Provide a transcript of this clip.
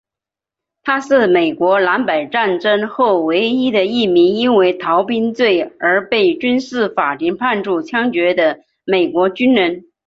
他是美国南北战争后唯一的一名因为逃兵罪而被军事法庭判处枪决的美国军人。